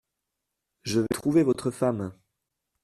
Je vais trouver votre femme !